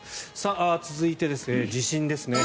続いて地震ですね。